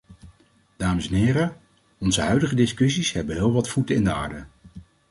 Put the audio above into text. Dames en heren, onze huidige discussies hebben heel wat voeten in de aarde.